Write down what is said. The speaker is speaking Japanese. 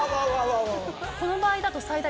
この場合だと最大。